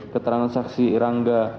keterangan saksi rangga